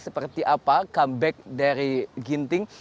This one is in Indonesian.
seperti apa comeback dari ginting